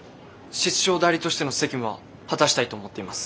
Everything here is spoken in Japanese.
室長代理としての責務は果たしたいと思っています。